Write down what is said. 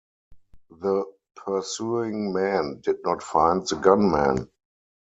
The pursuing men did not find the gunmen.